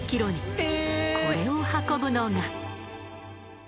これを運ぶのが。